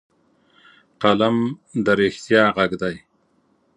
قلم د رښتیا غږ دی